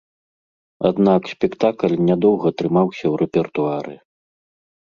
Аднак спектакль нядоўга трымаўся ў рэпертуары.